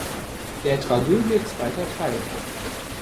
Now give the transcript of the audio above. Der Tragödie zweiter Teil" ab.